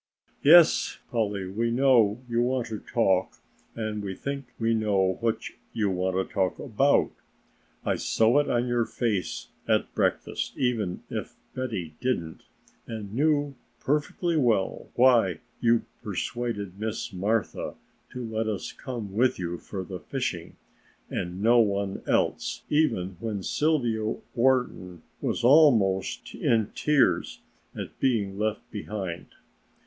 "Yes, Polly, we know you want to talk and we think we know what you want to talk about. I saw it on your face at breakfast even if Betty didn't and knew perfectly well why you persuaded Miss Martha to let us come with you for the fishing and no one else, even when Sylvia Wharton was almost in tears at being left behind."